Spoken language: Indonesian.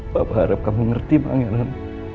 bapak harap kamu ngerti pangeran